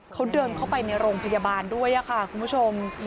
เขาเดินเข้าไปในโรงพยาบาลด้วยค่ะคุณผู้ชม